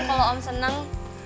kalau om senang